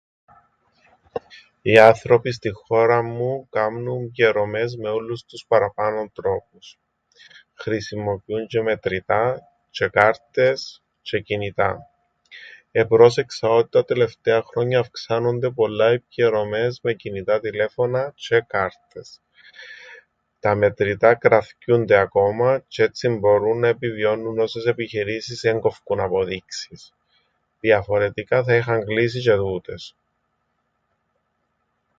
Οι άνθρωποι στην χώραν μου κάμνουν πκιερωμές με ούλλους τους παραπάνω τρόπους. Χρησιμοποιούν τζ̆αι μετρητά, τζ̆αι κάρτες, τζ̆αι κινητά. Επρόσεξα ότι τα τελευταία χρόνια αυξάνουνται πολλά οι πκιερωμές με κινητά τηλέφωνα τζ̆αι κάρτες. Τα μετρητά κραθκιούνται ακόμα τζ̆αι έτσι μπορούν να επιβιώνουν όσες επιχειρήσεις εν κόφκουν αποδείξεις. Διαφορετικά θα είχαν κλείσει τζ̆αι τούτες.